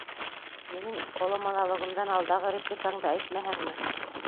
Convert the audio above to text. Минең оло монологымдан алдағы репликаңды әйтмәһәңме!